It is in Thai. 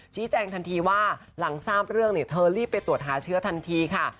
แจ้งทันทีว่าหลังทราบเรื่องเนี่ยเธอรีบไปตรวจหาเชื้อทันทีค่ะ